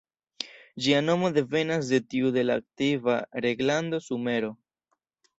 Ĝia nomo devenas de tiu de la antikva reĝlando Sumero.